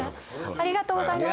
ありがとうございます。